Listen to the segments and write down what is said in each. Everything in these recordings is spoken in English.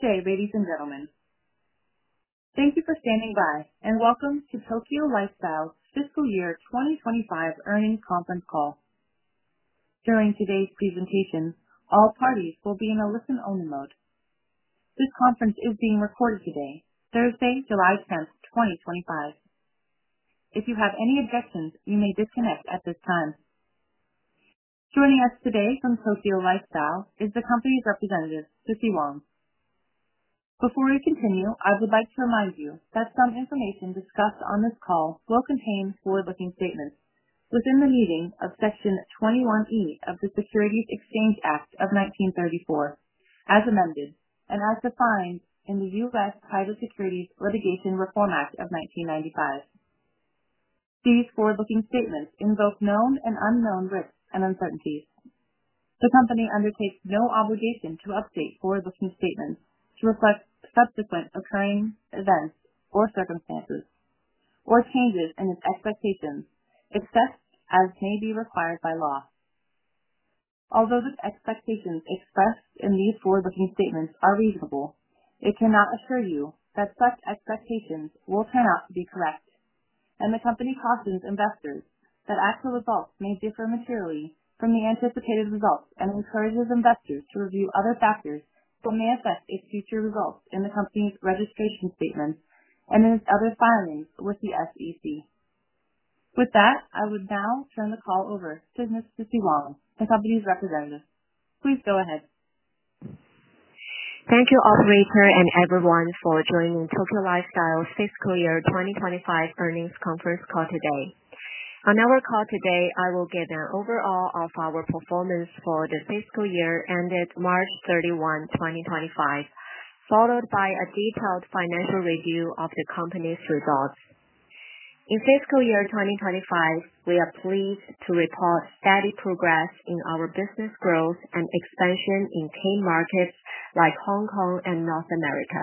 Okay, ladies and gentlemen. Thank you for standing by and welcome to Tokyo Lifestyle's fiscal year 2025 earnings conference call. During today's presentation, all parties will be in a listen-only mode. This conference is being recorded today, Thursday, July 10th, 2025. If you have any objections, you may disconnect at this time. Joining us today from Tokyo Lifestyle is the Company's Representative, Sissy Wong. Before we continue, I would like to remind you that some information discussed on this call will contain forward-looking statements. Within the meaning of Section 21E of the Securities Exchange Act of 1934, as amended, and as defined in the U.S. Title Securities Litigation Reform Act of 1995, these forward-looking statements involve known and unknown risks and uncertainties. The company undertakes no obligation to update forward-looking statements to reflect subsequent occurring events or circumstances or changes in its expectations except as may be required by law. Although the expectations expressed in these forward-looking statements are reasonable, it cannot assure you that such expectations will turn out to be correct, and the company advises investors that actual results may differ materially from the anticipated results and encourages investors to review other factors that may affect its future results in the company's registration statement and in its other filings with the SEC. With that, I would now turn the call over to Ms. Sissy Wong, the Company's Representative. Please go ahead. Thank you, operator, and everyone, for joining Tokyo Lifestyle's fiscal year 2025 earnings conference call today. On our call today, I will give an overall of our performance for the fiscal year ended March 31, 2025, followed by a detailed financial review of the company's results. In fiscal year 2025, we are pleased to report steady progress in our business growth and expansion in key markets like Hong Kong and North America.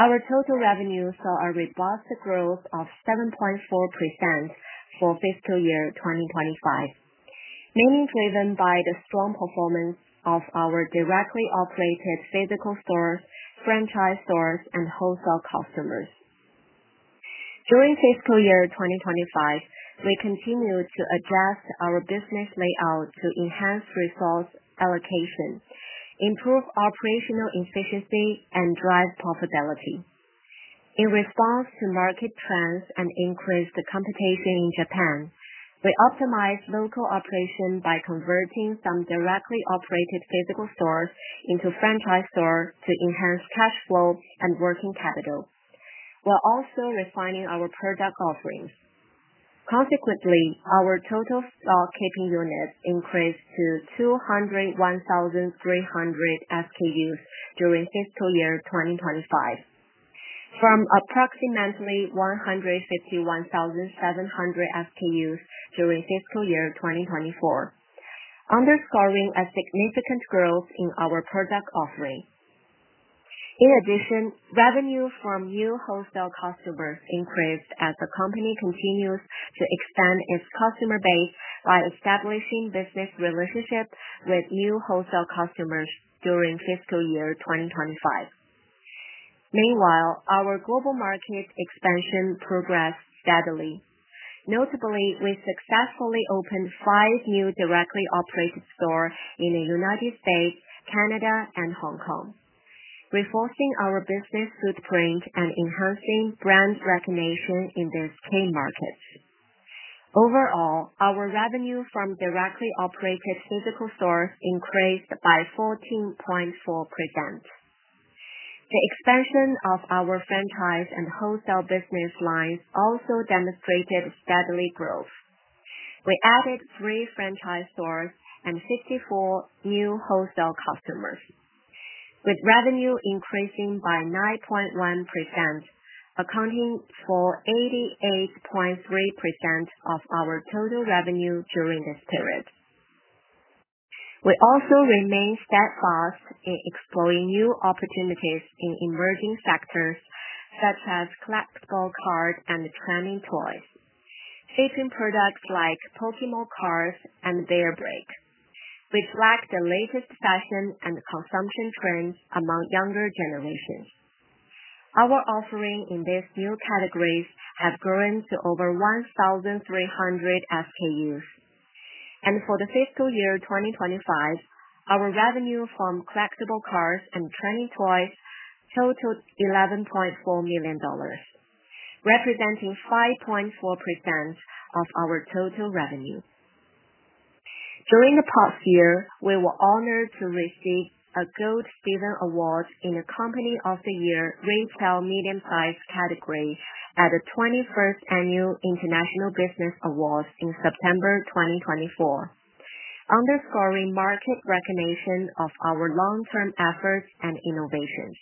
Our total revenue saw a robust growth of 7.4% for fiscal year 2025, mainly driven by the strong performance of our directly operated physical store, franchise stores, and wholesale customers. During fiscal year 2025, we continue to adjust our business layouts to enhance resource allocation, improve operational efficiency, and drive profitability. In response to market trends and increased competition in Japan, we optimized local operations by converting some directly operated physical stores into franchise stores to enhance cash flow and working capital, while also refining our product offerings. Consequently, our total stock keeping units increased to 201,300 SKUs during fiscal year 2025, from approximately 151,700 SKUs during fiscal year 2024, underscoring a significant growth in our product offering. In addition, revenue from new wholesale customers increased as the company continues to expand its customer base by establishing business relationships with new wholesale customers during fiscal year 2025. Meanwhile, our global market expansion progressed steadily. Notably, we successfully opened five new directly operated stores in the United States, Canada, and Hong Kong, reinforcing our business footprint and enhancing brand recognition in those key markets. Overall, our revenue from directly operated physical stores increased by 14.4%. The expansion of our franchise and wholesale business lines also demonstrated steady growth. We added three franchise stores and 54 new wholesale customers, with revenue increasing by 9.1%, accounting for 88.3% of our total revenue during this period. We also remain steadfast in exploring new opportunities in emerging sectors such as classical art and trendy toys, featuring products like Pokémon cards and Bearbrick, which reflect the latest fashion and consumption trends among younger generations. Our offering in these new categories has grown to over 1,300 SKUs, and for the fiscal year 2025, our revenue from collectible cards and trendy toys totaled $11.4 million, representing 5.4% of our total revenue. During the past year, we were honored to receive a Company of the Year - Retail - Medium-size category award at the 21st Annual International Business Awards in September 2024, underscoring market recognition of our long-term efforts and innovations.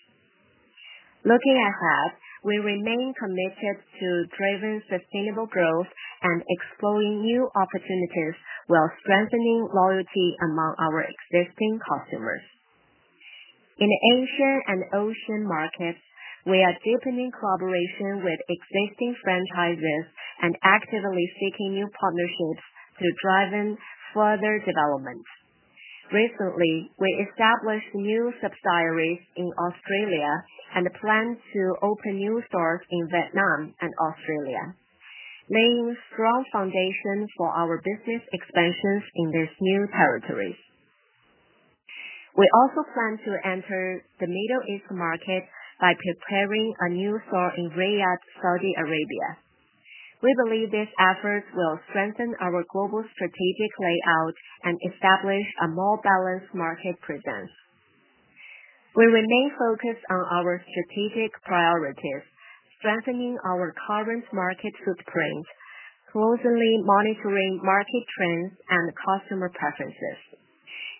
Looking ahead, we remain committed to driving sustainable growth and exploring new opportunities while strengthening loyalty among our existing customers. In the Asia and Ocean markets, we are deepening collaboration with existing franchises and actively seeking new partnerships to drive further development. Recently, we established new subsidiaries in Australia and plan to open new stores in Vietnam and Australia, laying a strong foundation for our business expansion in these new territories. We also plan to enter the Middle East market by preparing a new store in Riyadh, Saudi Arabia. We believe these efforts will strengthen our global strategic layout and establish a more balanced market presence. We remain focused on our strategic priorities, strengthening our current market footprint, closely monitoring market trends and customer preferences,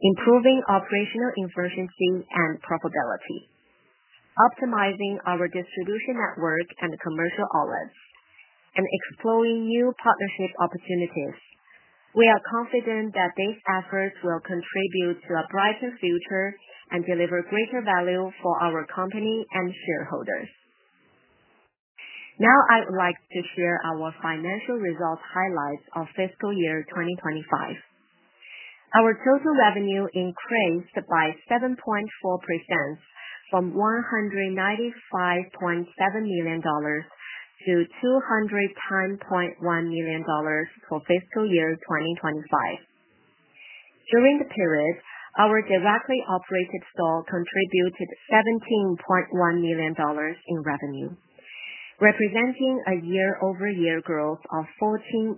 improving operational efficiency and profitability, optimizing our distribution network and commercial outlets, and exploring new partnership opportunities. We are confident that these efforts will contribute to a brighter future and deliver greater value for our company and shareholders. Now, I would like to share our financial results highlights of fiscal year 2025. Our total revenue increased by 7.4% from $195.7 million-$210.1 million for fiscal year 2025. During the period, our directly operated stores contributed $17.1 million in revenue, representing a year-over-year growth of 14.4%.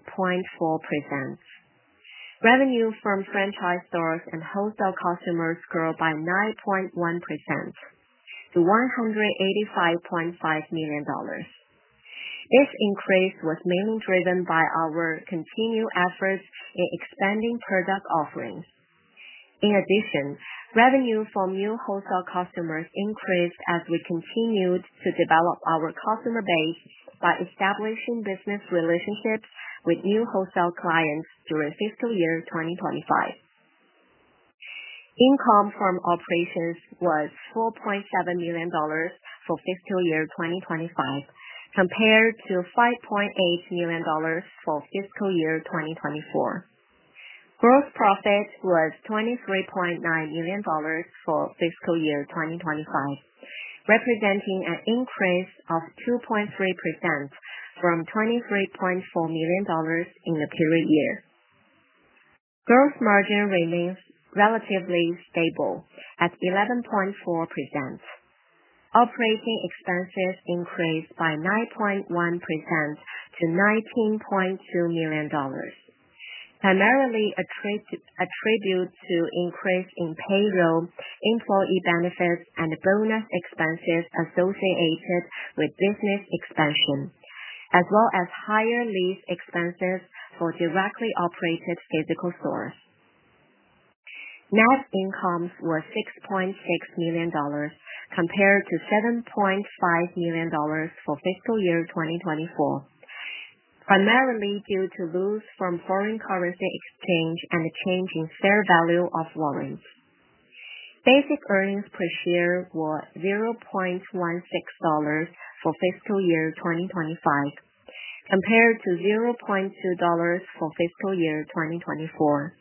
Revenue from franchise stores and wholesale customers grew by 9.1% to $185.5 million. This increase was mainly driven by our continued efforts in expanding product offerings. In addition, revenue from new wholesale customers increased as we continued to develop our customer base by establishing business relationships with new wholesale clients during fiscal year 2025. Income from operations was $4.7 million for fiscal year 2025, compared to $5.8 million for fiscal year 2024. Gross profit was $23.9 million for fiscal year 2025, representing an increase of 2.3% from $23.4 million in the previous year. Gross margin remains relatively stable at 11.4%. Operating expenses increased by 9.1% to $19.2 million, primarily attributed to an increase in payroll, employee benefits, and bonus expenses associated with business expansion, as well as higher lease expenses for directly operated physical stores. Net income was $6.6 million, compared to $7.5 million for fiscal year 2024, primarily due to losses from foreign currency exchange and a change in fair value of warrants. Basic earnings per share were $0.16 for fiscal year 2025, compared to $0.20 for fiscal year 2024.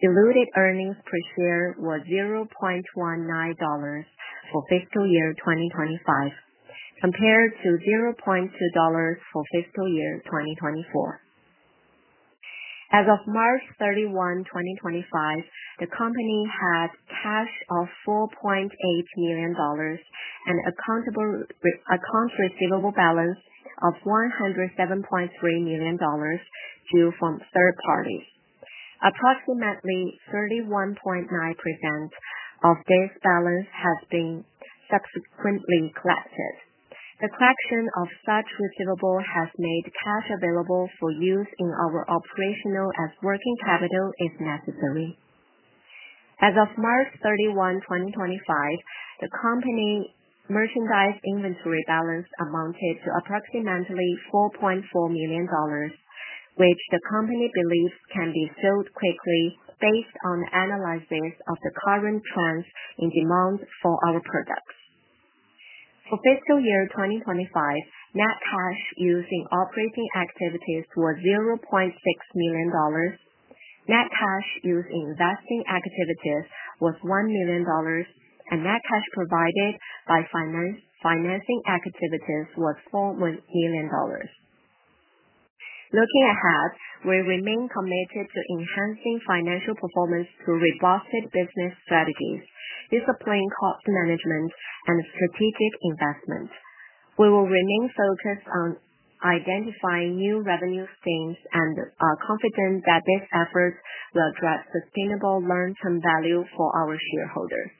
Diluted earnings per share were $0.19 for fiscal year 2025, compared to $0.2 for fiscal year 2024. As of March 31, 2025, the company had cash of $4.8 million and an accounts receivable balance of $107.3 million due from third parties. Approximately 31.9% of this balance has been subsequently collected. The collection of such receivables has made cash available for use in our operation of working capital if necessary. As of March 31, 2025, the company's merchandise inventory balance amounted to approximately $4.4 million, which the company believes can be sold quickly based on analysis of the current trends in demand for our product. For fiscal year 2025, net cash used in operating activities was $0.6 million. Net cash used in investing activities was $1 million, and net cash provided by financing activities was $4 million. Looking ahead, we remain committed to enhancing financial performance through robust business strategies, disciplined cost management, and strategic investment. We will remain focused on identifying new revenue streams and are confident that these efforts will drive sustainable long-term value for our shareholders.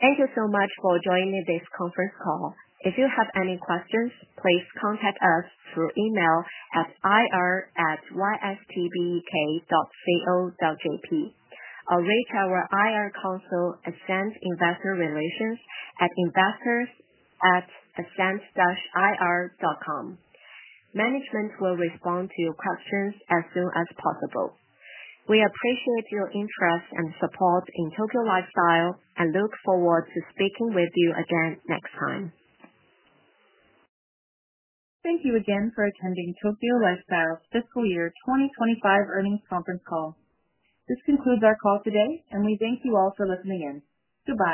Thank you so much for joining this conference call. If you have any questions, please contact us through email at ir@ystbuk.co.jp. You can also reach our IR counsel, extend investor relations, at investors@extend-ir.com. Management will respond to your questions as soon as possible. We appreciate your interest and support in Tokyo Lifestyle and look forward to speaking with you again next time. Thank you again for attending Tokyo Lifestyle's fiscal year 2025 earnings conference call. This concludes our call today, and we thank you all for listening in. Goodbye.